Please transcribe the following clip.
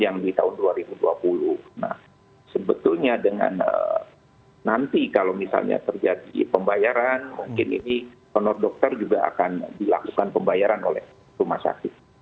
nah sebetulnya dengan nanti kalau misalnya terjadi pembayaran mungkin ini honor dokter juga akan dilakukan pembayaran oleh rumah sakit